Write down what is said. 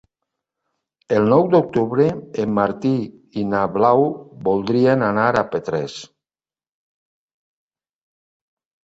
El nou d'octubre en Martí i na Blau voldrien anar a Petrés.